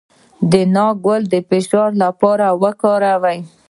د ناک ګل د فشار لپاره وکاروئ